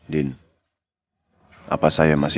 semoga rogers bisa mempertimbangkan